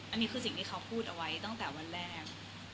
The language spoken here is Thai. อันนี้คือสิ่งที่เขาพูดเอาไว้ตั้งแต่วันแรก